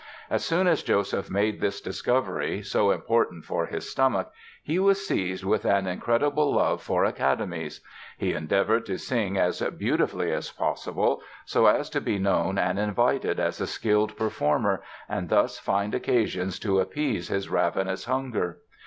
As soon as Joseph made this discovery, so important for his stomach, he was seized with an incredible love for 'academies'. He endeavored to sing as beautifully as possible so as to be known and invited as a skilled performer, and thus find occasions to appease his ravenous hunger."